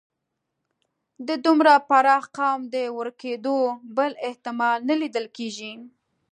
د دومره پراخ قوم د ورکېدلو بل احتمال نه لیدل کېږي.